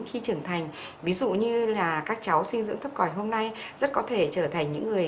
khi trưởng thành ví dụ như là các cháu sinh dưỡng thấp còi hôm nay rất có thể trở thành những người